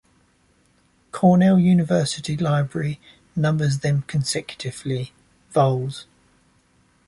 Cornell University Library numbers them consecutively, vols.